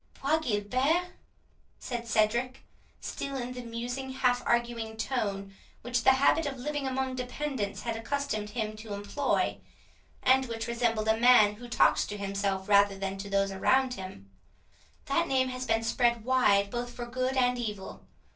"Bois Guilbert," said Cedric, still in the musing, half arguing tone, which the habit of living among dependants had accustomed him to employ, and which resembled a man who talks to himself rather than to those around him—"Bois Guilbert? that name has been spread wide both for good and evil.